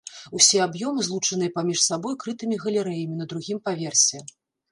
Усе аб'ёмы злучаныя паміж сабой крытымі галерэямі на другім паверсе.